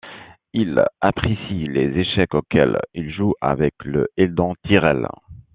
Il apprécie les échecs auxquels il joue avec le Eldon Tyrell.